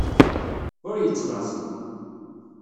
Ur yettlaẓ.